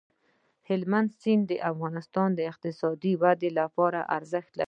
هلمند سیند د افغانستان د اقتصادي ودې لپاره ارزښت لري.